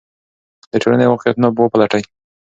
د ټولنې واقعیتونه وپلټئ.